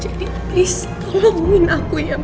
jadi please tolong minta aku ya ma